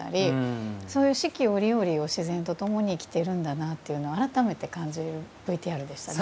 そういう四季折々を自然と共に生きてるんだなっていうのを改めて感じるＶＴＲでしたね。